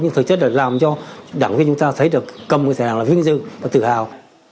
nhưng thực chất là làm cho đảng viên chúng ta thấy được cầm thẻ đảng là viên dư và tự hào